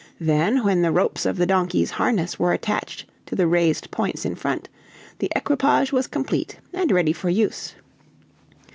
Then, when the ropes of the donkey's harness were attached to the raised points in front, the equipage was complete and ready for use.